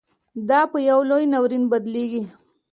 دا پـه يـو لـوى نـاوريـن بـدليږي.